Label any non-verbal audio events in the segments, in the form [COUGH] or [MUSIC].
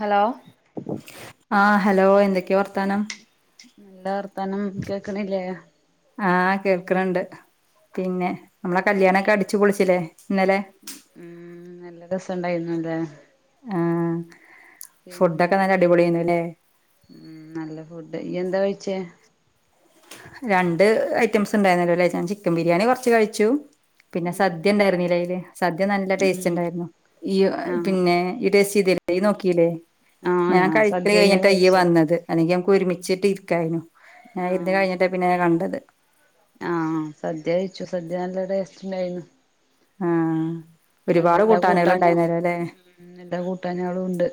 Hello ആഹ് hello എന്തെക്കെ വർത്താനം? നല്ല വർത്താനം. കേക്ണില്ലേ? ആഹ് കേൾക്ണ് ണ്ട്. പിന്നെ നമ്മളെ കല്യാണൊക്കെ അടിച്ച് പൊളിച്ചില്ലേ ഇന്നലെ. ഉം നല്ല രസംണ്ടായിരുന്നുല്ലേ. ആഹ് ഫുഡൊക്കെ നല്ല അടിപൊളിയേന്നു ല്ലേ. ഉം നല്ല ഫുഡ്. ഇയ്യെന്താ കഴിച്ചേ? രണ്ട് ഐറ്റംസ് ണ്ടായിന്നല്ലോല്ലേ. ഞാൻ ചിക്കൻ ബിരിയാണി കൊറ്ച്ച് കഴിച്ചു. പിന്നെ ഉം സദ്യ ണ്ടായിരുന്നില്ലെ അയ്ല്. സദ്യ നല്ല ടേസ്റ്റ് ഉം ണ്ടായിരുന്നു. ഇയ് ആഹ് പിന്നെ ഇയ്യ് ടേസ്റ്റെയ്തിലേ? യ് നോക്കില്ലേ. ആഹ് ഞാൻ കഴിക്കൽ സദ്യന്നെ കഴിഞ്ഞിട്ടാ ഇയ്യ് കഴിച്ചേ വന്നത് അല്ലെങ്കി നമക്ക് ഒരുമിച്ചിട്ട് ഇരിക്കായിനു. ആഹ് പിന്നെ കണ്ടത് ആഹ് സദ്യ കഴിച്ചു. സദ്യ നല്ല ടേസ്റ്റ്ണ്ടായിന്നു. ആഹ് നല്ല ഒരുപാട് എല്ലാ കൂട്ടാനുകൾ കൂട്ടാനും ഉണ്ടായിരുന്നല്ലോ അല്ലേ ഉം എല്ലാ കൂട്ടാനേളും ണ്ട്.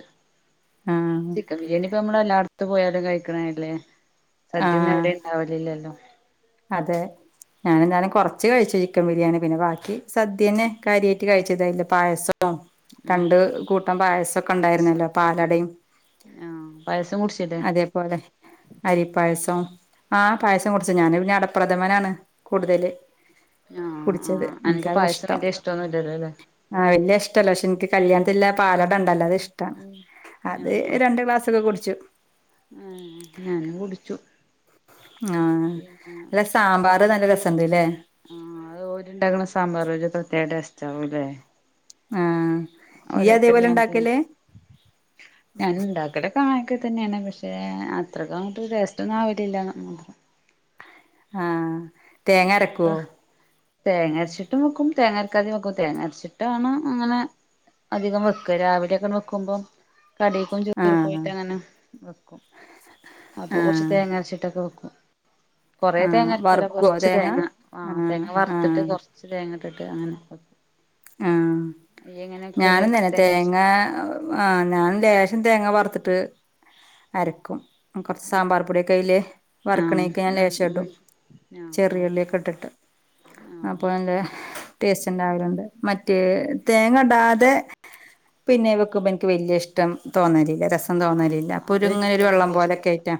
ആഹ് ചിക്കൻ ബിരിയാണി പ്പ നമ്മള് എല്ലാട്ത്ത്‌ പോയാലും കഴിക്ണതല്ലേ. സദ്യ ഒന്നും ആഹ് എവിടിം ഇണ്ടാവല് ല്ലല്ലോ. അതെ ഞാന് ഞാന് കൊറ്ച്ച് കഴിച്ചു ചിക്കൻ ബിരിയാണി പിന്നെ ബാക്കി സദ്യ തന്നെ കാര്യായ്ട്ട് കഴിച്ചത്. അയ്ലെ പായസം ആഹ് രണ്ട് കൂട്ടം പായസൊക്കെ പായസം ഇണ്ടായിരുന്നല്ലോ പാലടിം. ആഹ് പായസം കുട്ച്ചിലേ? അതേപോലെ അരിപ്പായസം ആഹ് പായസം കുട്ച്ച് ഞാന് പിന്ന ട പ്രഥമനാണ് കൂട്തല് ആഹ് കുട്ച്ചത്. ആഹ് അനക്ക് ഇൻക്കതാ പായസം ഇഷ്ടം. വലിയ ഇഷ്ടൊന്നുല്ലല്ലോ ല്ലേ ആഹ് വല്യ ഇഷ്ടല്ല പക്ഷെ ഇൻക്ക് കല്ല്യാൺത്തില്ലെ ആ പാലടണ്ടെല്ലോ അത് ഇഷ് ടാണ്. ഉം അത് രണ്ട് ഗ്ലാസ്സൊക്കെ കുട്ച്ചു. ഉം ഞാനും കുടിച്ചു ആഹ് പിന്നെ അല്ല സാമ്പാർ നല്ല രസണ്ട്ല്ലേ ആഹ് അത് ഓരിണ്ടാക്കണ സാമ്പാറ് ഒരു പ്രത്യേക ടേസ്റ്റാവുംല്ലേ ആഹ് ഇയ്യതേപോലെ കല്യാണത്തിന് ണ്ടാക്കല് ഞാൻ ഇണ്ടാക്കലൊക്കെ അങ്ങനൊക്കെ തന്നെയാണ് പക്ഷെ അത്രക്കങ്ങോട്ട് ടേസ്റ്റൊന്നും ആവലില്ലാന്ന് മാത്രം ആഹ് തേങ്ങ അരക്കുവോ ആഹ് തേങ്ങരച്ചിട്ടും വെക്കും തേങ്ങരക്കാതേം വെക്കും തേങ്ങാരച്ചിട്ടാണ് അങ്ങനെ അധികം വെക്ക രാവിലെയൊക്കെ വെക്കുമ്പോം കടിക്കും ചോറ്ക്കും ആഹ് ആയിട്ട് അങ്ങനെ വെക്കും അപ്പൊ കൊറച്ച് ആഹ് തേങ്ങ അരച്ചിട്ടൊക്കെ വെക്കും കൊറേ ആഹ് തേങ്ങ അരക്കൂല വറുക്കുവോ കൊറച് ച്ച് തേങ്ങ ആഹ് തേങ്ങ വറുത്തിട്ട് കുറച്ച് തേങ്ങട്ടിട്ട് അങ്ങനെ ആഹ് ഇയ്യ് എങ്ങനെ വെക്കല് ഞാനും തന്നെ തേങ്ങ തേങ്ങാ അരച്ചിട്ട് ആഹ് ഞാനും ലേശം തേങ്ങ വറുത്തിട്ട് അരക്കും കൊറച്ച് സാമ്പാർ പൊടിയൊക്കെ അയ്ല് ആഹ് വറക്കണേക്കെ ഞാൻ ഉം ലേശം ഉം ഇടും ആഹ് ചെറിയുള്ളിയൊക്കെ ഇട്ടിട്ട് ആഹ് അപ്പൊ ആഹ് അതിൻ്റെ ടേസ്റ്റ് ഇണ്ടാവലുണ്ട് മറ്റേ തേങ്ങടാതെ പിന്നെ വെക്കുമ്പോ എനിക്ക് വലിയ ഇഷ്ടം തോന്നലില്ല രസം ആഹ് തോന്നലില്ല അപ്പൊ അത് ഒരിങ്ങനെ ഒരു എനിക്കും വെള്ളം വല്യ പോലൊക്കെ ഇഷ്ടല്ല ആയിറ്റാ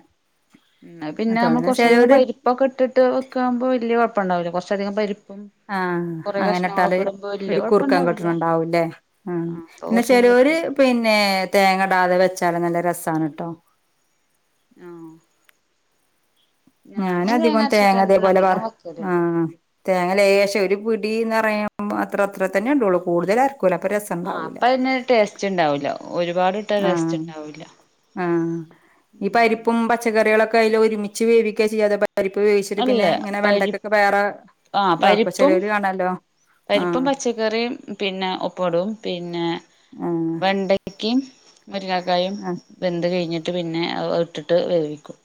ആ തോന്നല് ചെലോരു പ്പൊക്കെട്ടിട്ട് വെക്കുമ്പോ വലിയ കുഴപ്പംണ്ടാവില്ല കൊറച്ചധികം പരിപ്പും ആഹ് കൊറേ അങ്ങനെ ഇട്ടാല് കഷ്ണങ്ങളൊക്കെ ഇടുമ്പോ വല്യ ഒരു കുറുക്കം കുഴപ്പണ്ടാവൂല്ല കിട്ടണുണ്ടാവൂല്ലേ ആഹ് അപ്പൊ പിന്നെ കൊറച്ച് കൂർക്ക ചെലോരു പിന്നെ തേങ്ങ ഇടാതെ വെച്ചാല നല്ല രസാണ് ട്ടോ ആഹ് ഞാന് തേങ്ങ ഞാനധികോം അരച്ചിട്ടന്നെ തേങ്ങതേപോലെ വർ അധികം വെക്കല് ആഹ് തേങ്ങ ലേശം ഒരു പിടീന്ന് പറയുമ്പോ അത്രേ അത്ര തന്നെ ഉണ്ടാവ്ള്ളൂ കൂടുതലാർക്കൂല അപ്പൊ രസ് ആഹ് അപ്പൊ അതിന് ടേസ്റ്റ്ണ്ടാവൂല ഒരുപാടിട്ട ടേസ്റ്റ് ആഹ് ഇണ്ടാവൂല ആഹ് ഈ പരിപ്പും പച്ചക്കറികളൊക്കെ അതില് ഒരുമിച്ച് വേവിക്ക ചെയ്യാതെ പരിപ്പ് വേവിച്ചിട്ട് അല്ല പിന്നെ ഇങ്ങനെ പരി വെണ്ടക്കൊക്കെ വേറെ ആ ഇതാക്കും പരിപ്പും ചെലവര് കാണാല്ലോ പരിപ്പും ആഹ് പച്ച ക്കറീം പിന്നെ ഒപ്പവിടും പിന്നെ ആഹ് വെണ്ടക്കേം മുരിങ്ങാക്കായും ആഹ് വെന്ത് കഴിഞ്ഞിട്ട് പിന്നെ ഇട്ടിട്ട് വേവിക്കും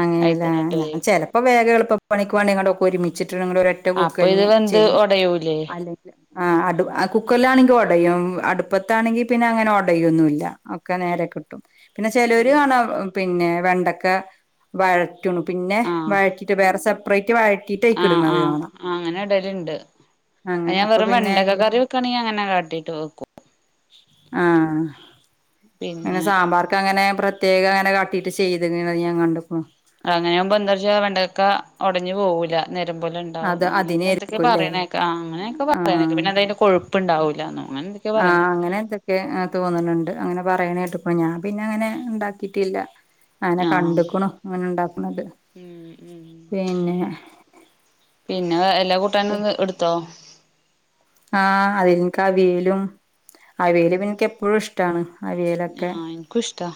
അങ്ങനെയാല്ലേ അയിത്തന്നെ ഇട്ട് ഞാൻ വേവിക്കും ചിലപ്പോ വേഗം എളുപ്പപണിക്കു വേണ്ടി ഇങ്ങടൊക്കെ ഒരുമിച്ചിട്ട് ഇങ്ങടൊരൊ റ്റ അപ്പൊ ഇത് വൂക്കലിന് വെന്ത് ചെയ്യും ഒടയൂലേ അല്ലെങ് ആഹ് അടു കുക്കറിലാണെങ്കി ഒടയും അടുപ്പത്താണെങ്കി പിന്നെ അങ്ങനെ ഒടയ്യൊന്നുവില്ല ഒക്കെ നേരെ കിട്ടും പിന്നെ ചെലോര് കാണും പിന്നെ വെണ്ടക്ക വഴറ്റണു പിന്നെ വഴറ്റിയിട്ട് വേറെ സെപ് ആഹ് ആഹ് ആഹ് അങ്ങനെ ഇടേലുണ്ട് അത് അങ്ങനെ ഞാൻ അപ്പൊ വെറും പിന്നെ വെണ്ടക്കക്കറി വെക്കാണെങ്കി അങ്ങനെ കാട്ടീട്ട് വെക്കും ആഹ് അങ്ങനെ പിന്നെ സാമ്പാർക്ക് അങ്ങനെ പ്ര പ്രത്യേക അങ്ങനെ കാട്ടിട്ട് ചെയ്തത് ഇങ്ങനെ ഞാൻ കണ്ടു ഫോ അങ്ങനെയാവുമ്പോ എന്താച്ചാ വെണ്ടക്കാ ഉടഞ്ഞു പോവൂല്ല നേരെ പോലെ ണ്ട് ഉണ്ടാവും അത് അങ്ങനൊക്കെന്തൊക്കെ അതിനായിരിക്കുംല്ലേ പറയണകേക്കാം ആഹ് അങ്ങനൊക്കെ പറയണെ ആ പിന്നെന്താ ത് കൊഴുപ്പുണ്ടാവൂല്ലാന്നോ അങ്ങനെന്തെ ആഹ് അങ്ങനെ എന്തൊ ക്കെ തോന്നുണുണ്ട് അങ്ങനെ പറയണ കേട്ടപ്പോൾ ഞാൻ പിന്നെ അങ്ങനെ ഉണ്ടാക്കിയിട്ടില്ല അങ്ങനെ ആഹ് കണ്ട്ക്കണു അങ്ങനെ ഉണ്ടാക്കുന്നത് ഉം ഉം പിന്നെ പിന്നെ ഏഹ് എല്ലാ കൂട്ടാനും എടുത്തോ ആഹ് അതിൻക്കവിയലും അവിയല് പിന്നെ ഇൻക്ക് എപ്പഴും ഇഷ്ട്ടാണ് അവിയലൊക്കെ ൻക്കുഷ്ട്ടാ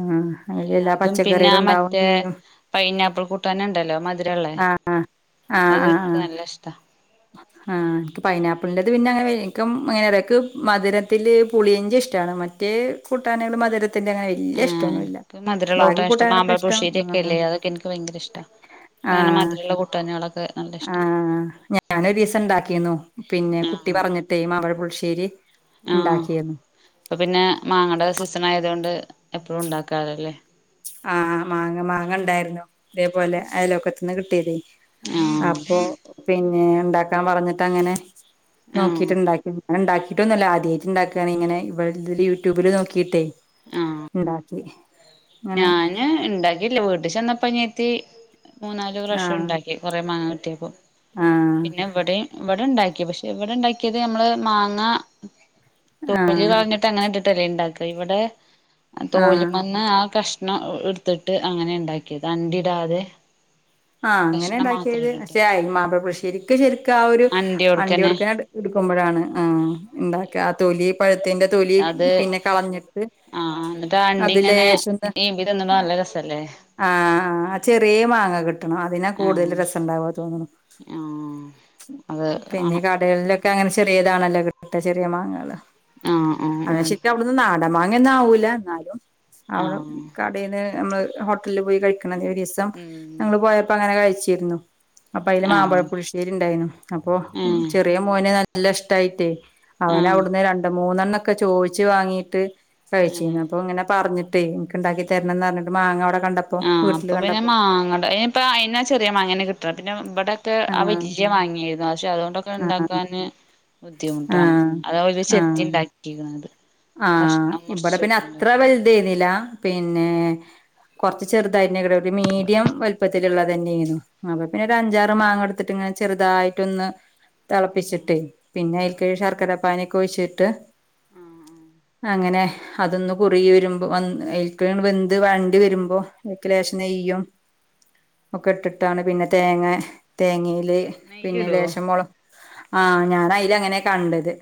ആഹ് അയില് എല്ലാ അതും പിന്നെ പച്ചക്കറികളും ആ ഉണ്ടാവും മറ്റേ ചെയ്യും പൈനാപ്പിൾ കൂട്ടാന്ണ്ടല്ലോ മധ്‌ രള്ള ആഹ് ആഹ് അതു ആഹ് ആഹ് ഇൻക്ക് ആഹ് നല്ല ഇഷ്ടാ ആഹ് ഇൻക്ക് പൈനാപ്പിള്ന്റെത് പിന്നെ അങ്ങനെ വെ ഇൻക്ക് അങ്ങനെ തെ ഇക്ക് മധുരത്തില് പുളിയഞ്ചി ഇഷ്ടാണ് മ മറ്റേ കൂട്ടാനേള് മധുരത്തിന്റെ അങ്ങനെ വല്ല്യ ആഹ് ഇഷ്ടൊന്നുല്ല. എനിക്ക് മധുരള്ള ബാക്കി കൂട്ടാൻ ഇഷ്ട കൂട്ടാന്കളൊക്കെ മാമ്പഴ ഇഷ്ടാണ് പുളിശ്ശേരിയൊക്കെ ആഹ് ഇല്ലേ അതൊക്കെ എനിക്ക് ഭയങ്കര ഇഷ്ടാ അങ്ങനെ ആഹ് മധുരള്ള കൂട്ടാനുകളൊക്കെ നല്ല ഇഷ്ടാ ആഹ് ഞാന് ഒരീസം ഇണ്ടാക്കിന്നു പിന്നെ കുട്ടി ആഹ് പറഞ്ഞി ട്ടെ മാമ്പഴ പുളിശ്ശേരി. ആഹ് ഇണ്ടാക്കിന്നു ഇപ്പ പിന്നെ മാങ്ങയുടെ സീസൺ ആയതു കൊണ്ട് എപ്പഴും ഉണ്ടാക്കാലല്ലേ. ആഹ് മാങ്ങ മാങ്ങ ഉണ്ടായിരുന്നു. ഇതേപോലെ അയലോക്കത്ത്ന്ന് കിട്ടിയതെയ് ആഹ് അപ്പൊ പിന്നെ ഇണ്ടാക്കാൻ പറഞ്ഞിട്ട് അങ്ങനെ ആഹ് നോക്കിയിട്ടുണ്ടാക്കി. അങ്ങന ഇണ്ടാക്കിയിട്ടൊന്നല്ല. ആദ്യായിട്ട് ഇണ്ടാക്കാണ് ഇങ്ങനെ ഇവി ഇതില്‌ യൂട്യൂബില് നോക്കിയിട്ടേ. ആഹ് ഇണ്ടാക്കി ഇങ്ങനെ ഞാന് ഇണ്ടാക്കിട്ടില്ല വീട്ടിൽ ചെന്നപ്പോ അനീയത്തി മൂന്നാല് പ്രാവശ്യം ആഹ് ഇണ്ടാക്കി. കൊറേ മാങ്ങ കിട്ടിയപ്പം ആഹ് പിന്നെ. ഇവിടീം ഇവടെ ഇണ്ടാക്കി പക്ഷെ ഇവിടെ ഇണ്ടാക്കിയത് നമ്മള് മാങ്ങ തൊലി ആഹ് കളഞ്ഞി അങ്ങനെ ഇട്ടിട്ടല്ലേ ഇണ്ടാക്ക ഇവിടെ ആഹ് തോല്മെന്ന് ആ കഷ്ണം ഇടുത്തിട്ട് അങ്ങനേ ഇണ്ടാക്കിയേത് അണ്ടി ഇടാതെ. ആഹ് അങ്ങനെ ഇണ്ടാക്കിയത്. ഇട്ടിട്ട് പക്ഷെ ആയെ മാമ്പഴ പുളിശ്ശേരിക്ക് ശരിക്ക് ആ ഒരു അണ്ടിയോട്ക്കന്നെ അണ്ടിയോടുക്കെനെണ്ട് എടുക്കുമ്പോഴാണ് ആഹ് ഇണ്ടാക്ക. ആ തൊലി പഴുത്തേന്റെ തൊലി അത് പിന്നെ കളഞ്ഞിട്ട്. ആഹ് ഇന്നട്ട് ആ അണ്ടി അത് ഇങ്ങനെ ലേശൊന്ന് ഈമ്പി തിന്നുമ്പൊ നല്ല രസല്ലേ. ആഹ് ആഹ് ആ ചെറിയ മാങ്ങ കിട്ടണം അതിനാ കൂടുതല് ആഹ് രസണ്ടാവാ തോന്ന്ണ് ആഹ് അത് പിന്നെ വേണം കടകളിലൊ ഒക്കെ അങ്ങനെ ചെറിയതാണല്ലോ കിട്ട ചെറിയ മാങ്ങകള് ആഹ് ആഹ് ആഹ്. ഇതൊന്നു നാടൻ മാങ്ങയൊന്നും ആവൂല്ല ഇന്നാലും ആഹ് ആഹ് അവ്ടെ ആഹ് ക പിന്നെ നമ്മള് ഹോട്ടലില് പോയി കഴിക്കണ ഒരു ദിവസം. ഉം പോയപ്പോ അങ്ങനെ കഴിച്ചിരുന്നു. അപ്പൊ അയില് മാമ്പഴ ആഹ് പുളിശ്ശേരി ഉണ്ടായിന്നു. അപ്പൊ ഏഹ് ചെറിയ മോന് നല്ല ഇഷ്ടായിട്ടേ അവന് ആഹ് അവിടുന്ന് രണ്ട് മൂന്നെണ്ണൊക്കെ ചോയിച്ചു വാങ്ങീട്ട്. ഏഹ് കഴിച്ചിന്ന് അപ്പൊ ഇങ്ങനെ പറഞ്ഞിട്ടെയ് ഇൻക്ക് ഇണ്ടാക്കി തരണന്ന് പറഞ്ഞിട്ട് മാങ്ങ അവിടെ കണ്ടപ്പോ വീട്ടില് കണ്ടപ്പോ. മാങ്ങേട ഏഹ് ഇപ്പം അ അയിനാ ചെറിയ മാങ്ങന്നെ കിട്ടണം. പിന്നെ ഇബടൊക്കെ ആ ആഹ് വല്ല്യ മാങ്ങയായിരുന്നു. പക്ഷേ അതുകൊണ്ടൊ ആഹ് ഉണ്ടാക്കാന് ബുദ്ധിമുട്ടാണ് ആഹ് അതവര് ചെത്തി ആഹ് ഇണ്ടാക്കിക്ക്ണത്. ആഹ് ഇവിടെ പിന്നെ അത്ര വൽത് ആയിര്ന്നില്ല. പിന്നേ കൊറച്ച് ചെറുതായിന്നെ ഞങ്ങടെ വീട്ടിൽ മീഡിയം വൽപ്പത്തില്ള്ളതന്നേന്നു. അപ്പൊ പിന്നെ ഒരു അഞ്ചാറ് മാങ്ങ എടുത്തിട്ട് ഇങ്ങ ചെറുതായിട്ട് ഒന്ന് തളപ്പിച്ചിട്ടെയ് പിന്നെ അതിൽക്ക് ശർക്കര പാനി ഒക്കെ ഒഴിച്ചിട്ട് ആഹ് ആഹ് അങ്ങനെ അതൊന്ന് കുറുകി വരുമ്പോ വന്ന് [UNINTELLIGIBLE] വെന്ത് വാണ്ടി വരുമ്പോ. അയിക്ക് ലേശം നെയ്യും ഒക്കെ ഇട്ടിട്ടാണ് പിന്നെ തേങ്ങ തേങ്ങീല് നെയ്യ് പിന്നെ ഇടോ ലേശം മൊള ആഹ് ഞാൻ അയിൽ അങ്ങനെ കണ്ടത്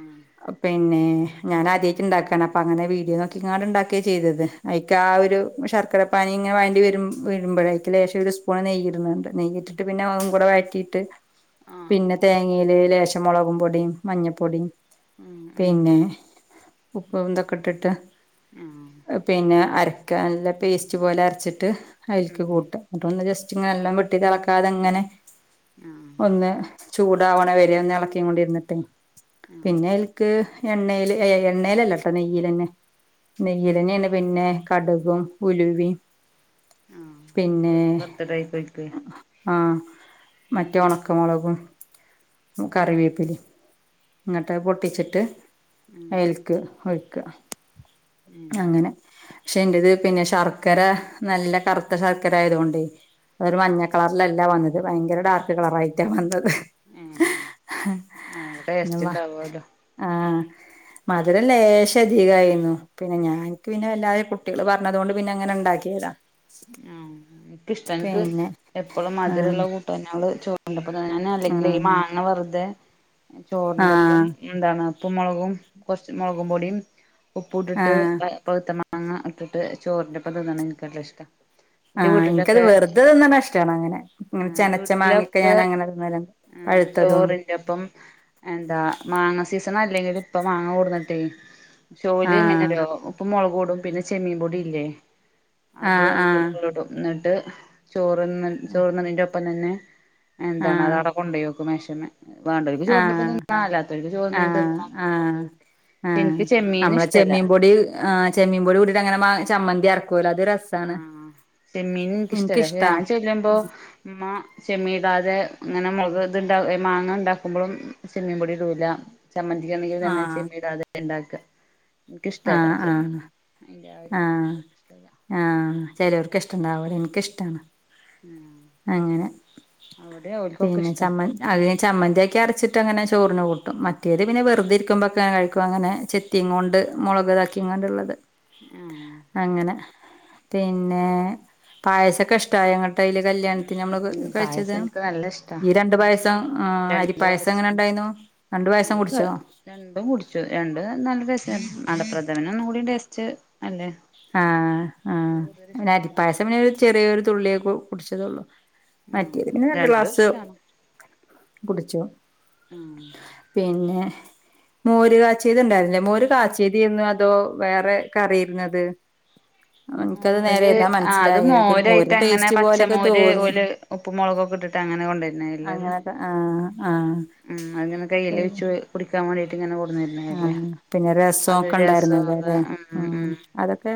ആഹ് അ പിന്നേ ഞാന് ആദ്യായിട്ട് ഇണ്ടാക്കാണ് അപ്പൊ അങ്ങനെ വീഡിയോ നോക്കിക്കാണ്ട് ഇണ്ടാക്കിയ ചെയ്തത് അയിക്ക് ആ ഒരു ശർക്കര പാനി ഇങ്ങനെ വയണ്ടി വരും വരുമ്പഴേ അയിക്ക് ലേശം ഒരു സ്പൂൺ നെയ്യ് ഇട്ണ്‌ണ്ട്. നെയ്യ് ഇട്ടിട്ട് പിന്നെ ഒന്നു കൂടെ വയറ്റിയിട്ട്. ആഹ് പിന്നെ തേങ്ങീല് ലേശം മൊളകും പൊടിം മഞ്ഞപ്പൊടിം ഉം ഉം പിന്നെ ഉപ്പും ഇതൊക്കെ ഇട്ടിട്ട്. ഉം. പിന്നെ അരയ്ക്കാൻ നല്ല പേസ്റ്റ് പോലെ അരച്ചിട്ട് ആഹ് അയിൽക്ക് ഉം കൂട്ട. എന്നിട്ടൊന്ന് ജസ്റ്റ് ഇങ്ങനെ എല്ലാം വെട്ടി തിളക്കാതെ ഇങ്ങനെ ആഹ് ഒന്ന് ചൂടാവണ വരെന്ന് ഇളക്കീം കൊണ്ട് ഇരുന്നിട്ടെ പിന്നെ ആഹ് അയിൽക്ക് എണ്ണേല് ഏഹ് എണ്ണേല് അല്ലട്ടോ നെയ്യിലന്നെ നെയ്യിലന്നെയാണ് മെയില് പിന്നെ കടുകും ഉലുവേം പിന്നെ. ആഹ് ബർത്ത്ഡേയ്ക്കൊയ്ക്ക് ആഹ് മറ്റേ ഉം ഒണക്ക മൊളകും കറിവേപ്പില. ഇങ്ങട്ട് പൊട്ടിച്ചിട്ട് ഉം അയിയിൽക്ക് ഒഴിക്ക. ഉം അങ്ങനെ പക്ഷെ എന്റത് പിന്നെ ശർക്കര നല്ല കറുത്ത ശർക്കര ആയത് കൊണ്ട് അതൊരു ഉം മഞ്ഞ കളർ ള് അല്ല വന്നത് ഭയങ്കര ഡാർക്ക് കളർയിറ്റാ വന്നത്. ഉം നല്ല പിന്നെ ടേസ്റ്റ് മ ഉണ്ടാവു അല്ലോ. ആഹ്. മധുരം ലേശം അധിക ആയിന്നു പിന്നെ ഞാക്ക് പിന്നെ വല്ലാതെ കുട്ടികള് പറഞ്ഞത് കൊണ്ട് പിന്നെ അങ്ങനെ ഉണ്ടാക്കി. ക്കിയത ഉം എനിക്കിഷ്ട്ട എൻക്ക് എപ്പോളും മതിര ആഹ് ഉള്ള കൂട്ടാനോള് ചോ കണ്ടപ്പം തന്നെ ഞാൻ അല്ലെങ്കിലെ ആഹ് മാങ്ങ വെറുതെ ചോറിന്റെ ഒപ്പം ആഹ് എന്താണ് ഉപ്പും മൊളകും കുറച്ച് മൊളകും പൊടിയും ഉപ്പ് ഇട്ടിട്ട് ആഹ് പവുത്ത മാങ്ങ ഇട്ടിട്ട് ചോറിൻ്റെ ഒപ്പം തിന്നണെ എനിക്ക് നല്ല ഇഷ്ട. ആഹ് ഇൻക്കത് വെർതെ തിന്നുണെ ഇഷ്ടാണ് അങ്ങനെ ആഹ് ചെനച്ച മാങ്ങയൊക്കെ വീട്ടിലൊക്കെ ഞാൻ അങ്ങനെ തിന്നലുണ്ട്. പഴുത്തതും. യപ്പം എന്താ മാങ്ങ സീസൺ അല്ലെങ്കില് ഇപ്പ മാങ്ങ കൊടുന്നിട്ടേ ചോലിയും പിന്നെ ആഹ് ഇതോ ഉപ്പും മുളകും ഇടും പിന്നെ ചെമ്മീൻ പൊടി ഇല്ലേ ആഹ് അതും ആഹ് എന്നിട്ട് ചോറ് തിന്ന് ചോറ് തിന്നുന്നതിന്റെ ഒപ്പം തന്നെ എന്താണ് ആഹ് അത് ആട കൊണ്ടോയി വെക്കും. ക്കും മേശമ്മേ വേണ്ടവര് ചോറിന്റെ ഒപ്പം ആഹ് തിന്ന അല്ലാത്തവക്ക് ചോർന്ന് കഴിഞ് ആഹ് തിന്ന. ആഹ് ആഹ് നമ്മള് ചെമ്മീൻ പൊടി ആഹ് ചെമ്മീൻ പൊടി കൂട്ടീട്ട് അങ്ങനെ മാ ചമ്മന്തി അരക്കുവല്ലോ അത് ഒരു രസാ ഉം ചെമ്മീൻ ഇൻക്ക് ഇഷ്ടല്ല എനിക്കിഷ്ടാ ഞാൻ ചെല്ലുമ്പോ ഉമ്മ ചെമ്മീൻ ഇടാതെ അങ്ങനെ മൊൾക് ഇത്ണ്ട ഈ മാങ്ങ ഉണ്ടാക്കുമ്പോഴും ചെമ്മീൻ പൊടി ഇടൂല. ചമ്മന്തിക്കാണെങ്കി തന്നെ ആഹ് ചെമ്മീടാതെ ഉണ്ടാക്ക എനിക്കിഷ്ടല്ല ആഹ് ചെമ്മീ ആഹ് അയിന്റെ ആഹ് ഒരു മണം ഇഷ്ടുല്ല. ആഹ് ചിലർക്ക് ഇഷ്ടണ്ടാവുല എനിക്കിഷ്ടാണ് ഉം. അങ്ങനെ പിന്നെ ഇഷ്ടാ ചമ്മന്തി അത് ചമ്മന്തി ആക്കി അരച്ചിട്ട് അങ്ങനെ ചോറിന് കൂട്ടും മറ്റേത് പിന്നെ വെറുതെ ഇരിക്കുമ്പോക്കെ കഴിക്കും അങ്ങനെ ചെത്തി ത്തിങ്ങോണ്ട് മുളക് താക്കിങ്ങോണ്ടിള്ളത്. ഏഹ്. അങ്ങനെ പിന്നെ പായസക്കെ ഇഷട്ടായോ ഇന്നിട്ട് അയില് കല്യാണത്തിന് നമ്മള് ഉം കഴിച്ചത് പായസം എനിക്ക് നല്ല ഇഷ്ടാ ഈ രണ്ട് പായസം ആഹ് രണ്ട് അരിപ്പായസം എങ്ങനെ പായസം ഉണ്ടായിരുന്നു? രണ്ടു പായസം നല്ല കുടിച്ചോ? രണ്ടും കുടിച്ചു രണ്ടും നല്ല ടേസ്റ്റ് അടപ്രഥമൻ ഒന്നും കൂടി ടെസ്റ്റ് അല്ലേ? ആഹ് ആഹ് കൂടുതൽ പിന്നെ ഇഷ്ടം അതാണ് അരിപ്പായസം പിന്നെ ഒരു ചെറിയൊരു തുള്ളിയെ കു കുടിച്ചതുള്ളു. ഉം മറ്റേത് പിന്നെ രണ്ട് രണ്ടും ഗ്ലാസ് ഇഷ്ടാണ് കുടിച്ചു. ഉം പിന്നെ മോര് കാചിയത് ഉണ്ടായിരുന്നില്ലേ മോര് കാചിയതായിരുന്നോ അതോ വേറെ കറിയിരുന്നത് എനിക്കത് നേരെ മോര് ഏതാ ആഹ് അത് മനസ്സിലായെ എനിക്കൊരു മോരിന്റെ മോരായിട്ടങ്ങനെ ടേസ്റ്റ് പോലെയൊക്കെ പച്ചമോര് തോന്നി ഓല് ഉപ്പ് മുളകൊക്കെ ഇട്ടിട്ട് അങ്ങനെ കൊണ്ടുവരുന്നല്ലേത് അങ്ങനൊക്കെ ആഹ് ആഹ് ഉം അങ്ങനെ കയ്യിൽ വച്ച് കുടിക്കാൻ വേണ്ടിട്ട് ഇങ്ങനെ കൊണ്ട്ന്നരുന്നതല്ലേ ആഹ് പിന്നെ അതും രസൊക്കെ രസും ഉണ്ടായിരുന്നല്ലോ അല്ലേ ഉം ഉം അതൊക്കെ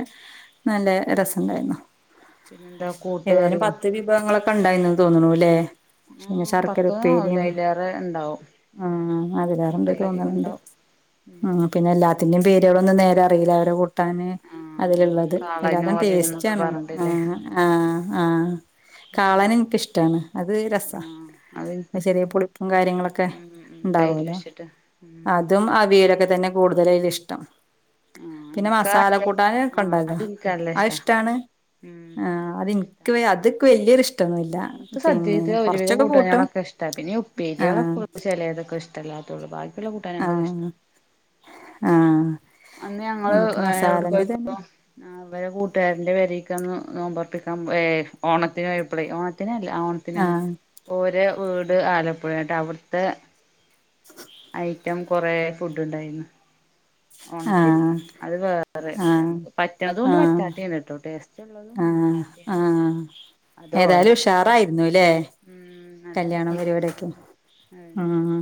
നല്ല രസം ഉണ്ടായിരുന്നു [UNINTELLIGIBLE] ഏതായാലും പത്ത് വിഭവങ്ങളൊക്കെ ഉണ്ടായിന്ന് തോന്ന്ണുല്ലേ ആ പിന്നെ ശർക്കര പത്ത് ആവില്ല ഉപ്പേരിയും അതിലേറെ ഉണ്ടാവും ആഹ് അതിലേറെണ്ട് പത്തിലധികം തോന്നണുണ്ട് ഉണ്ടാവും ഉം പിന്നെ എല്ലാത്തിന്റെയും പേരുകളൊന്നും നേരെ അറിയില്ല അവരെ- കുട്ടാന് ആ ആ അതിലുള്ളത് കാളന് എല്ലാതും ഓലന്നൊക്കെ ടേസ്റ്റ്ണ് പറഞ്ഞിട്ടില്ലേ ആഹ് ആഹ് ആഹ് കാളന് എനിക്കിഷ്ടമാണ് അത് രസാ- അതേത് ചെറിയ പുളിപ്പും കാര്യങ്ങളൊക്കെ തൈര് ഉണ്ടാവുമല്ലോ ഒഴിച്ചിട്ട് ഉം അതും ഇതൊക്കെ തന്നെ കൂടുതലായില് ഇഷ്ടം ആഹ് പിന്നെ ഇൻക്കാ മസാല മറ്റേ കൂട്ടാന്ക്കെ ആഹ് ഒണ്ടാല്ലൊ അത് ഇൻക്ക് നല്ല അത് ഇഷ്ടാ ഇഷ്ടാണ് ഉം ആഹ് അത് ആ അതെനിക്ക് അത് വലിയൊ ഇഷ്ടം എനിക്ക് സദ്യയില് ഒരുവിധം കൂട്ടും കൂട്ടാന്കളൊക്കെ ഇഷ്ടാ പിന്നെ ആ ഉപ്പേരികളൊക്കെ ചിലതൊക്കെ ഇഷ്ടം ഇല്ലാത്ത ഉള്ളൂ ബാക്കി ആഹ് ആഹ് അന്ന് ഞങ്ങള് എവിടെ പോയപ്പോ ആ ഇവലെ കൂട്ടുകാരന്റെ പെരിക്കന്ന് നോമ്പറപ്പിക്കാം ഓണത്തിന് പോയപ്ളെ ഓണത്തിനല്ല ഓ ത്തിന് ആ ഓരെ വീട് ആലപ്പുഴയാ എന്നിട്ട് അവിടുത്തെ [INAUDIBLE] ഐറ്റം കൊറെ ഫുഡ് ഉണ്ടായിന്ന് ആ ഓണത്തിന് അത് വേറെ ആ പക്ഷെ പറ്റണതുണ്ട് പറ്റാത്തെണ്ട്ട്ടൊ ടേസ്റ്റ് ഇള്ളതും ആഹ് ഇല്ലാത്തീണ്ട് ആഹ് അത് ഓലെ ഏതായാലും അവസ്ഥയായിരുന്നു ഉഷാറായിരുന്നുല്ലേ ഉം നല്ല കല്ല്യാണം രസണ്ടായിരുന്നു പരിപാടിയൊക്കെ ആഹ്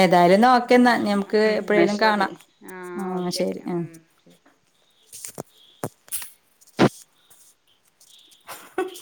ഏതായാലും ന്നാ ഓക്കെന്നാ പിന്നെ നമുക്ക് ഉം ന്നാ എപ്പഴേലും ശരി കാണാം ആഹ് ആ ഓക്കെ ശരി ആഹ് ഉം ശരി മ് ഹ്